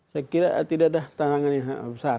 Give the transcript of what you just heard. saya kira tidak ada tangganya yang besar